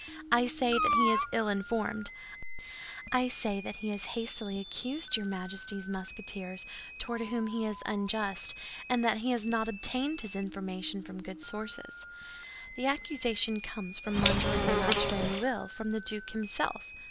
I say that he is ill informed. I say that he has hastily accused your Majesty's Musketeers, toward whom he is unjust, and that he has not obtained his information from good sources." "The accusation comes from Monsieur de la Trémouille, from the duke himself.